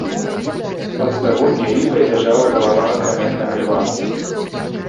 Пад стагодняй ліпай ляжала галава каменнага льва.